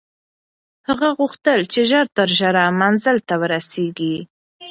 هغه غوښتل چې ژر تر ژره منزل ته ورسېږي.